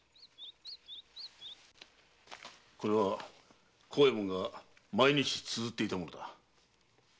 これは幸右衛門が毎日綴っていたものだ。